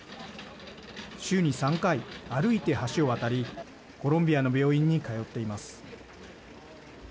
週に３回、歩いて橋を渡りコロンビアの病院に通っています。